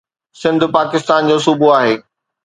سنڌ پاڪستان جو صوبو آهي.